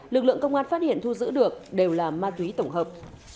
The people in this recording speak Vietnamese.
lực lượng công an phát hiện thu giữ được đều là ma túy tổng hợp